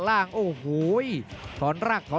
เสริมหักทิ้งลงไปครับรอบเย็นมากครับ